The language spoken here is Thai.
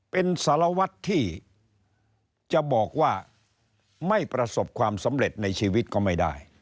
เป็นสารวัตรที่จะบอกว่าไม่ประสบความสำเร็จในชีวิตก็ไม่ได้